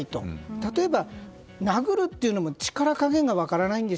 例えば、殴るというのも力加減が分からないんです。